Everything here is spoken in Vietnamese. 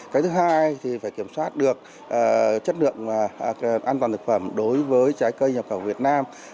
cái thứ hai thì phải kiểm soát được chất lượng an toàn thực phẩm đối với trái cây nhập khẩu việt nam